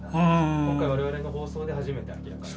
今回我々の放送で初めて明らかに。